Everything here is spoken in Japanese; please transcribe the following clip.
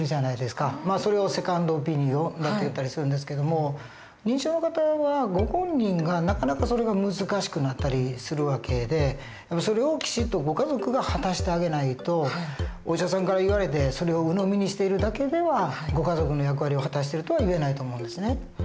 それをセカンドオピニオンっていったりするんですけども認知症の方はご本人がなかなかそれが難しくなったりする訳でそれをきちっとご家族が果たしてあげないとお医者さんから言われてそれをうのみにしているだけではご家族の役割を果たしてるとはいえないと思うんですね。